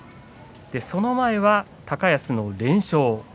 その前は高安の連勝。